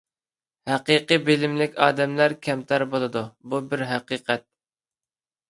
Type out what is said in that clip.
ھەقىقىي بىلىملىك ئادەملەر كەمتەر بولىدۇ. بۇ بىر ھەقىقەت.